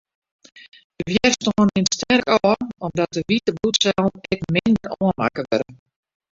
De wjerstân nimt sterk ôf, omdat de wite bloedsellen ek minder oanmakke wurde.